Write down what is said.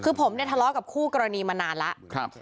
คือผมได้ทะเลาะกับคู่กรณีมานานล่ะครับ